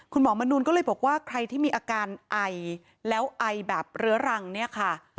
หมอมนูลก็เลยบอกว่าใครที่มีอาการไอแล้วไอแบบเรื้อรังเนี่ยค่ะ